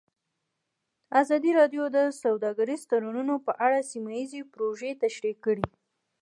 ازادي راډیو د سوداګریز تړونونه په اړه سیمه ییزې پروژې تشریح کړې.